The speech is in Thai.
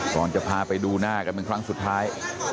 ก่อนจะพาไปดูหน้ากันเป็นครั้งสุดท้าย